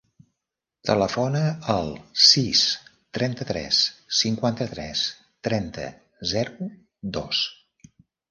Telefona al sis, trenta-tres, cinquanta-tres, trenta, zero, dos.